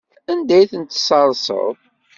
Anda ay tent-tesserseḍ?